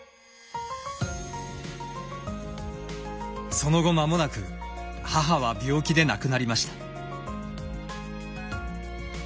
その後間もなく母は病気で亡くなりました。